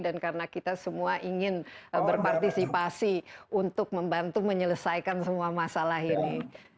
dan karena kita semua ingin berpartisipasi untuk membantu menyelesaikan semua masalah ini